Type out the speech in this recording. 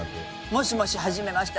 「もしもしはじめまして。